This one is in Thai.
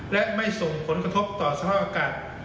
และไม่ส่งผลกระทบต่อสร้างแรก